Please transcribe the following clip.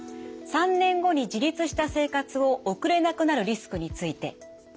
３年後に自立した生活を送れなくなるリスクについて。